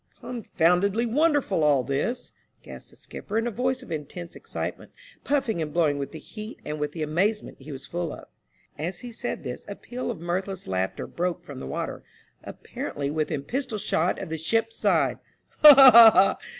" Confoundedly wonderful all this !" gasped the skipper, in a voice of intense excitement, puffing and blowing with the heat and with the amazement he was full of. As he said this a peal of mirthless laughter broke from the water, apparently within pistol shot of the ship's side. ''Ha! ha! ha!